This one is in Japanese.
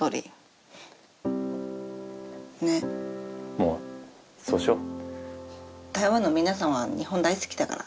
もうそうしよう。